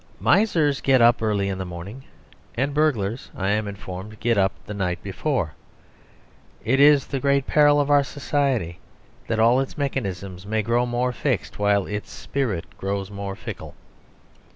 ..... Misers get up early in the morning; and burglars, I am informed, get up the night before. It is the great peril of our society that all its mechanisms may grow more fixed while its spirit grows more fickle.